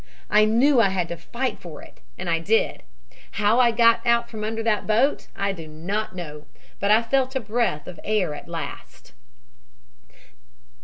"I knew I had to fight for it and I did. How I got out from under the boat I do not know, but I felt a breath of air at last.